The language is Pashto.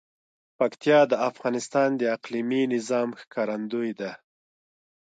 پکتیا د افغانستان د اقلیمي نظام ښکارندوی ده.